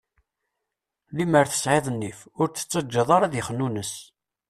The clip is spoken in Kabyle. Lemmer tesɛiḍ nnif, ur t-tettaǧǧaḍ ara ad ixnunes.